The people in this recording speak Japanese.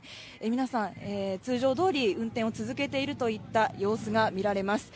皆さん通常どおり運転を続けているといった様子が見られます。